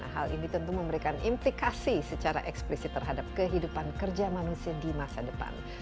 hal ini tentu memberikan implikasi secara eksplisit terhadap kehidupan kerja manusia di masa depan